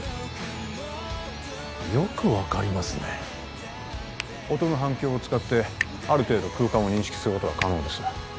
よく分かりますね音の反響を使ってある程度空間を認識することが可能です